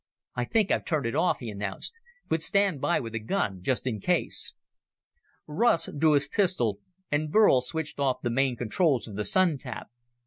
"I think I've turned it off," he announced. "But stand by with a gun, just in case." Russ drew his pistol, and Burl switched off the main controls of the Sun tap.